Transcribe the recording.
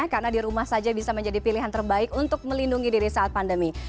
karena di rumah saja bisa menjadi pilihan terbaik untuk melindungi diri saat pandemi